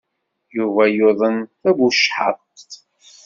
Yuba yuḍen tabucehhaqt.